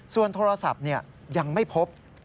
ส่วนโทรศัพท์ยังไม่พบ